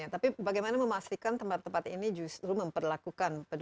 tapi bagaimana memastikan tempat tempat ini justru memperlakukan